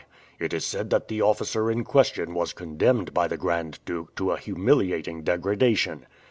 "It is said that the officer in question was condemned by the Grand Duke to a humiliating degradation."